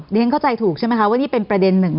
ฉันเข้าใจถูกใช่ไหมคะว่านี่เป็นประเด็นหนึ่ง